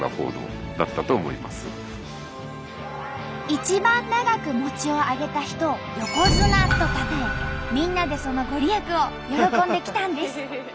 一番長く餅を上げた人を「横綱」とたたえみんなでその御利益を喜んできたんです。